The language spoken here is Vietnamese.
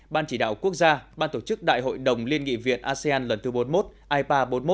ban chỉ đạo quốc gia ban tổ chức đại hội đồng liên nghị việt asean lần thứ bốn mươi một ipa bốn mươi một